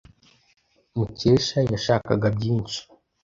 Mukesha yashakaga byinshi.